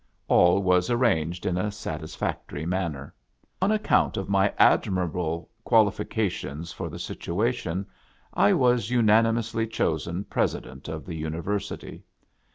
All was arranged in a satisfactory manner. On account of my admirable qualifications for the situation, I was unanimously chosen President of the University.